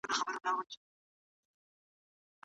خدای و ښکلی پیدا کړی سر تر نوکه